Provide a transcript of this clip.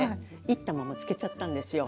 いったまま漬けちゃったんですよ。